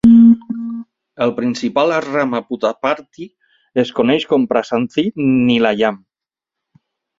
El principal asram a Puttaparthi es coneix com Prasanthi Nilayam.